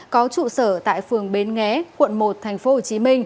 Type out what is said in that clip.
có trụ sở tại phường bến nghé quận một tp hcm